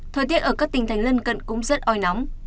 thời tiết ở các tỉnh thành lân cận cũng rất oi nóng